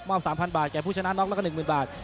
มารบ๓พันบาท